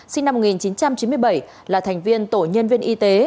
sinh năm một nghìn chín trăm chín mươi bảy là thành viên tổ nhân viên y tế